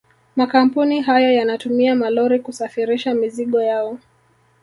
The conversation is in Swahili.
Makampuni hayo yanatumia malori kusafirisha mizigo yao